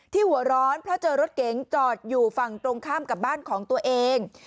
หัวร้อนเพราะเจอรถเก๋งจอดอยู่ฝั่งตรงข้ามกับบ้านของตัวเอง